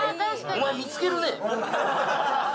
お前、見つけるね。